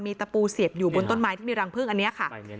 ตะปูเสียบอยู่บนต้นไม้ที่มีรังพึ่งอันนี้ค่ะ